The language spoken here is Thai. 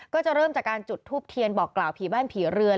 ก็จะเริ่มจากการจุดทูปเทียนบอกกล่าวผีบ้านผีเรือน